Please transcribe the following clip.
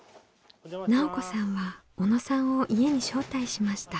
奈緒子さんは小野さんを家に招待しました。